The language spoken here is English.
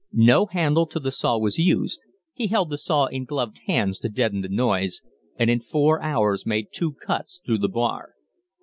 No handle to the saw was used; he held the saw in gloved hands to deaden the noise, and in four hours made two cuts through the bar.